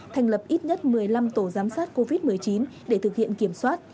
thành lập ít nhất một mươi năm tổ giám sát covid một mươi chín để thực hiện kiểm soát